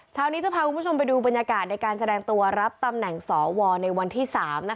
เช้านี้จะพาคุณผู้ชมไปดูบรรยากาศในการแสดงตัวรับตำแหน่งสวในวันที่๓